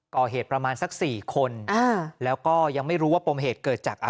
ก่อเหตุประมาณสักสี่คนเเหล้วก็ยังไม่รู้ว่าปมเหตุเกิดจากอะไร